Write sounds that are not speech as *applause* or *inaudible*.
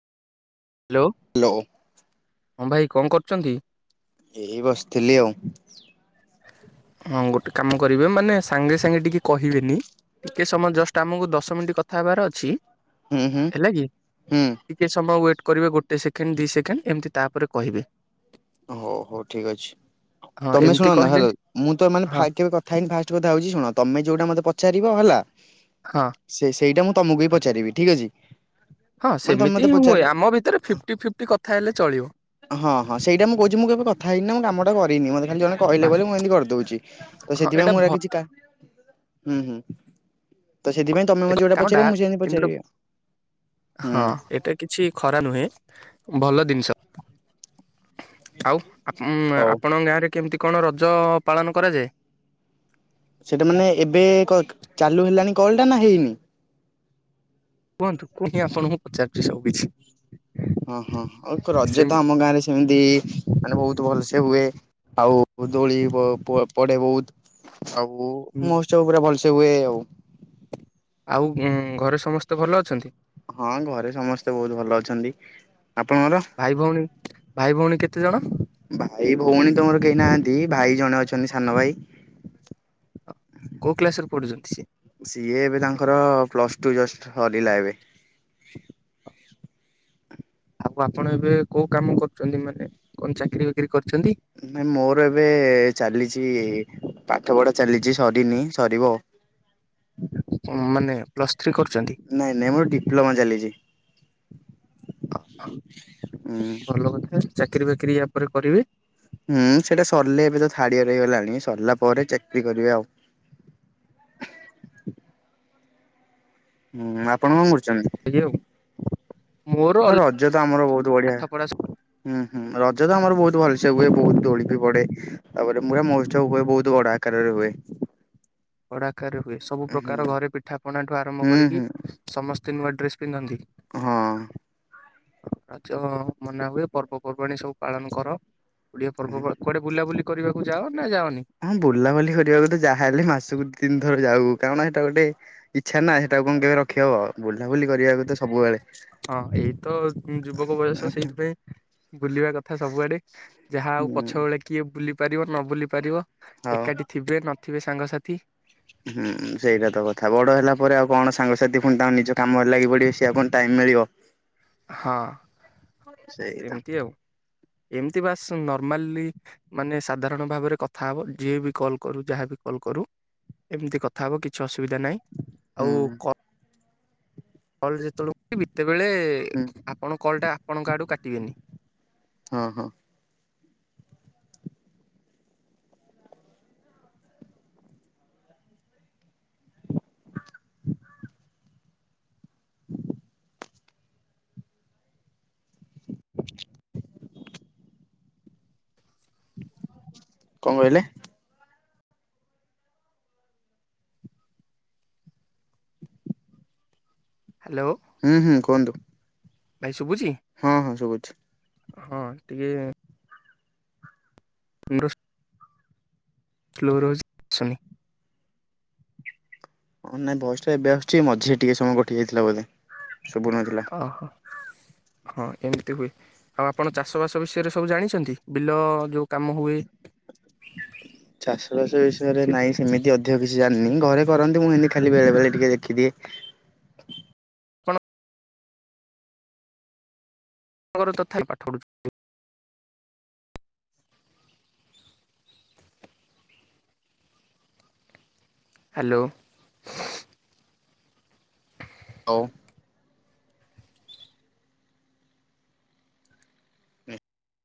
Hello. ହଁ ଭାଇ କଣ କରୁଛନ୍ତି। ଏଇ ବସିଥିଲି ଆଉ। ହଁ ଗୋଟେ କାମ କରିବେ ମାନେ ସାଙ୍ଗେ ସାଙ୍ଗେ ଟିକେ କହିବେନି। ଟିକେ ସମୟ ଜଷ୍ଟ ଟା ଆମକୁ ଦଶ ମିନିଟ୍ କଥା ହେବାର ଅଛି ହୁଁ ହୁଁ ହେଲା କି ହୁଁ ଟିକେ ସମୟ ୱେ କରିବେ ଗୋଟେ ସେକେଣ୍ଡ ଦି ସେକେଣ୍ଡ ଏମିତି ତାରେ କହିବେ ହଉ ହଉ ଠିକ ଅଛି ହଁ ତମେ ଶୁ ଏମିତି କହିଲେ *unintelligible* ମୁଁ ତ ମାନେ ହଁ ଫା କେବେ କଥା ହେଇନି ଫାଷ୍ଟ କଥାଉଛି ଶୁଣ ତମେ ଯୋଉଟା ମତେ ପଚାରି ବ ହେଲା ହଁ ସେ ସେଇଟା ମୁଁ ତମକୁ ବି ପଚାରିବି ଠିକ୍ ଅଛି। ହଁ ମାନେ ତମେ ସେମିତି ମତେ ହିଁ ପଚାରିଲ ହୁଏ ଆମ ଭିତରେ ଫିଫ୍ଟି ଫିଫ୍ଟି କଥା ହେଲେ ହଁ ହଁ ଚଳିବ ସେଇଟା ମୁଁ କହୁଚି ମୁଁ କେବେ କଥା ହେଇନିଁ କାମ ଟା କରିନି ମତେ ଖାଲି ଜଣେ କହିଲେ ବାସ୍ ବୋଲି ମୁଁ ଏମିତି କରିଦଉଚି ତ ହଁ ସେଥିପାଇଁ ଏଇଟା ମୁଁ ଏରା ଭ କିଛି କା ହୁଁ ହୁଁ। ତ ସେଥିପାଇଁ ତମେ ଏ ମତେ ଯୋଉଟା କାମଟା ପଚାରିବ ମୁଁ ସେମିତି କିନ୍ତୁ ପଚାରିବି ଆଉ ହଁ ହୁଁ। ଏଟା କିଛି ଖରା ନୁହେଁ। ଭଲ ଦିନିଷ ଆଉ ଆ ଉଁ ହଉ ଆପଣଙ୍କ ଗାଁରେ କେମିତି କଣ ରଜ ପାଳନ କରାଯାଏ। ସେଟା ମାନେ ଏବେ କ ଚାଲୁ ହେଲାଣି କଲ ଟା ନା ହେଇନି କୁହନ୍ତୁ *unintelligible* ଆପଣଙ୍କୁ ପଚାରୁଚି ସବୁ କିଛି। ହଁ ହଁ ଆଉ ରଜ ତ ସେମି ଆମ ଗାଁରେ ସେମିତି ମାନେ ବହୁତ ଭଲସେ ହୁଏ ଆଉ ଦୋଳ ପ-ପ-ପଡେ ବହୁତ ଆଉ ମହୋତ୍ସବ ପୁରା ଭଲସେ ହୁଏ ଆଉ ଆଉ ଘରେ ସମସ୍ତେ ଭଲ ଅଛନ୍ତି। ହଁ ଘରେ ସମସ୍ତେ ବହୁତ ଭଲ ଅଛନ୍ତି। ଆପଣଙ୍କର ଭାଇ ଭଉଣୀ ଭାଇ ଭଉଣୀ କେ କେତେଜଣ ଭାଇ ଭଉଣୀ ତ ମୋର କେହି ନାହାନ୍ତି ଭାଇ ଜଣେ ଅଛନ୍ତି ସାନ ଭାଇ କୋଉ କ୍ଲାସରେ ପଡୁଛନ୍ତି ସେ? ସିଏ ଏବେ ତାଙ୍କର ପ୍ଲସ୍ ଟୁ ଜଷ୍ଟ ସରିଲା ଏବେ ଆଉ ଆପଣ ଏବେ କୋଉ କାମ କରୁଚନ୍ତି ମାନେ କଣ ଚାକିରୀ ବାକିରି କରିଛନ୍ତି ନାଇ ମୋର ଏବେ ଚାଲି ଚି ପାଠ ପଢା ଚାଲିଚି ସରିନି ସରିବ। ମାନେ ପ୍ଲସ୍ ଥ୍ରୀ କରୁଚନ୍ତି ନାଇଁ ନାଇଁ ମୋର ଡିପ୍ଲୋମା ଚାଲିଛି। ହୁଁ ଭଲ କଥା ଚାକିରୀ ବାକିରିୀ ୟା ପରେ କରିବେ ହୁଁ ସେଟା ସରିଲେ ଏବେ ତ ଥାର୍ଡ ରିଡିଆ ରହିଗଲାଣି ସରିଲା ପରେ ଚାକିରି କରିବେ ଆଉ ହୁଁ ମ ଆପଣ କଣ କରୁଛନ୍ତି? ଇଏ ଆଉ ମୋର ହ ଅଲ ରଜ ତ ଆମର ବହୁତ ବଢିଆ ପାଠ ପଢା ସବୁ ହୁଁ। ହୁଁ ରଜ ତ ଆମର ବହୁତ ଭଲ ସେ ହୁଏ ବହୁତ ଦୋଳି ବି ପଡ଼େ। ତାପରେ ପୁରା ମହଉତ୍ସବ ବହୁତ ବଡ ଆକାରରେ ହୁଏ। ବଡ ଆକାରେ ହୁଏ ସବୁ ହୁଁ ପ୍ରକାର ଘରେ ପିଠାପଣା ଠୁ ଆରମ୍ଭ ହୁଁ କରିକି ହୁଁ ସମସ୍ତ‌ *unintelligible* ନୂଆ ଡ୍ରେ ପିନ୍ଧନ୍ତି। ହଁ। ରଜ ମନା ହୁଏ ପର୍ବପର୍ବାଣୀ ସବୁ ପାଳନ କର ଓଡ଼ିଆ ପର୍ବ *unintelligible* କୁଆଡେ ବୁଲା ବୁଲି କରିବାକୁ ଯାଅ। ନା ଯାଅନି? ହଁ ବୁଲାବୁଲି କରିବାକୁ ତ ଯାହା ହେଲେ ମାସକୁ ତିନି ଥର ଯାଉ କାରଣ ଏଇଟା ଗୋଟେ ଇଚ୍ଛାନା ଏଇଟା କଣ କେବେ ରଖି ହବ ବୁ ହଁ ଏଇ ତ ଯୁବକ ବୟସ ସେଇଥିପାଇଁ ବୁଲିବା କଥା ସବୁଆଡେ। ଯାହା ହଉ ହୁଁ ପଛ ବଳେ କିଏ ବୁଲି ପାରିବ ନ ବୁଲି ପାରିବ। ହଉ। ଏକାଠି ଥିବେ ନଥି ଥିବେ ସାଙ୍ଗସାଥି ହୁଁ ସେଇଟା ତ କଥା ବଡ ହେଲା ପରେ ଆଉ କଣ ସାଙ୍ଗସାଥି ପୁଣି ତାଙ୍କୁ ନିଜ କାମରେ ଲାଗି ପଡିବେ ସେଆ କଣ ଟାଇମ ମିଳିବ। ହଁ ସେଇତ ସେମତି ଆଉ ଏମିତି ବାସନ ମଲି ମାନେ ସାଧାରଣ ଭାବରେ କଥା ହେବ ଯି ଏ ବି କଲ୍ କରୁ ଯାହାବି କଲ୍ କରୁ ଏମିତି କଥା ହବ କିଛି ଆସୁ ସୁବିଧା ନାହିଁ ହୁଁ ଆଉ କ କଲ ଯେତେବେଳେ ତ *inaudible* କଲେ ହୁଁ ଆପଣ କଲ ଟା ଆପଣଙ୍କ ଆଡୁ କାଟିବେନି। ହଁ ହଁ କଣ କହିଲେ। ହ୍ୟାଲୋ ହୁଁ ହୁଁ କୁହନ୍ତୁ। ଭାଇ ଶୁଭୁଛି ହଁ ହଁ ଶୁଭୁଛି। ହଁ ଟିକେ ମୁଁ *inaudible* *unintelligible* ଆସୁନି। ହଁ ନାଇଁ ଭୟସଟା ଏବେ ଆସୁଛି ମଝିରେ ଟିକେ ସମୟ କଟି ଯାଇଥିଲା ବୋଧେ ଶୁଭୁ ନଥିଲା। ଓହୋ। ହଁ ଏମିତି ହୁଏ ଆଉ ଆପଣ ଚାଷବାସ ବିଷୟରେ ସବୁ ଜାଣିଛନ୍ତି ବିଲ ଯୋଉ କାମ ହୁଏ। ଚାଷ ବାସ ବିଷୟରେ ସେ ନାଇଁ ସେମିତି ଅଧିକ କିଛି ଜାଣିନି। ଘରେ କରନ୍ତି ମୁଁ ଏନତି ଖାଲି ବେଳେ ବେଳେ ଟିକେ ଦେଖିଦିଏ। ଆପଣଙ୍କର ଙ୍କର ତଥାପି ପାଠ ପଢୁଛନ୍ତି। ହ୍ୟାଲୋ। ଆଉ